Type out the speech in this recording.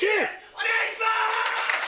お願いします！